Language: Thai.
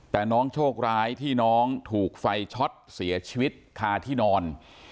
แต่น้องโชคร้ายที่น้องถูกไฟช็อตเสียชีวิตคาที่นอน